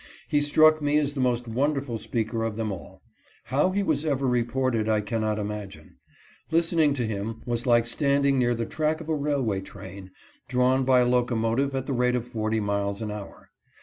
He struck me as the most wonderful speaker of them all. How he was ever reported I cannot imagine. Listening to him was like standing near the track of a railway train, drawn by a locomotive at the rate of forty miles an hour.